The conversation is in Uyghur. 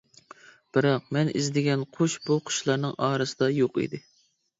بىراق مەن ئىزدىگەن قۇش بۇ قۇشلارنىڭ ئارىسىدا يوق ئىدى.